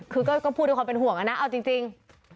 คือก็พูดด้วยความเป็นห่วงนะเอาจริง